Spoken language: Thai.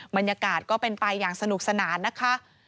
บรรยากาศก็เป็นไปอย่างสนุกสนานนะคะ